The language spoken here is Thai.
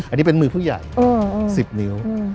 อันนี้เป็นมือผู้ใหญ่๑๐นิ้ว